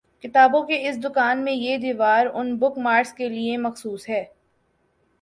کتابوں کی اس دکان میں یہ دیوار اُن بک مارکس کےلیے مخصوص ہے